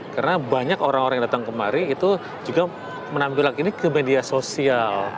karena banyak orang orang yang datang kemari itu juga menampilkan ini ke media sosial